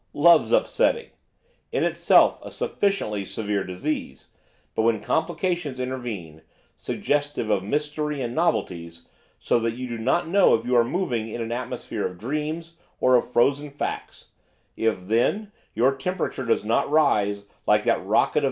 Love's upsetting! in itself a sufficiently severe disease; but when complications intervene, suggestive of mystery and novelties, so that you do not know if you are moving in an atmosphere of dreams or of frozen facts, if, then, your temperature does not rise, like that rocket of M.